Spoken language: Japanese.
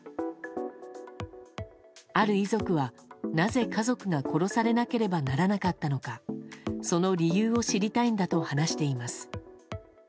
ある遺族は、なぜ家族が殺されなければならなかったのかその理由を知りたいんだと話しています。